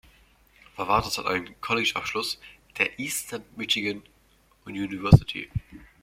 Varvatos hat einen College-Abschluss der Eastern Michigan University.